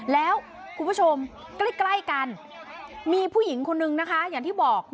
แล้วคุณผู้ชมใกล้กันมีผู้หญิงคนนึงนะคะอย่างที่บอก